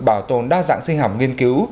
bảo tồn đa dạng sinh học nghiên cứu